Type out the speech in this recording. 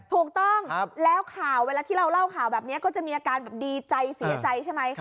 ถูกต้องแล้วข่าวเวลาที่เราเล่าข่าวแบบนี้ก็จะมีอาการแบบดีใจเสียใจใช่ไหม